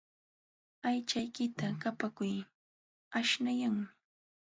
Aychaykita paqakuy aśhnayanmi.